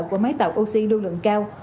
của máy tạo oxy lưu lượng cao